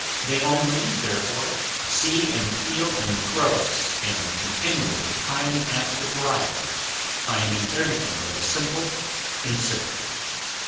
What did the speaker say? They only, therefore, see and feel in the gross, and continually pine after variety, finding every thing that is simple, insipid.